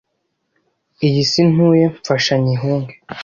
Iyi si ntuye mfasha nyihunge